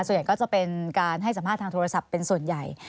ส่วนใหญ่ก็จะเป็นการให้สัมภาษณ์ทางโทรศัพท์เป็นส่วนใหญ่